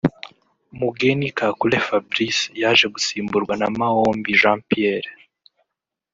Mugheni Kakule Fabrice yaje gusimburwa na Maombi Jean Pierre